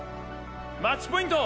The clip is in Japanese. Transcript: マッチポイント！